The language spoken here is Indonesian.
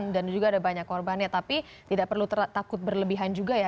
dan juga ada banyak korbannya tapi tidak perlu takut berlebihan juga ya